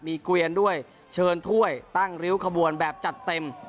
มีเกวียนด้วยเชิญถ้วยตั้งริ้วขบวนแบบจัดเต็ม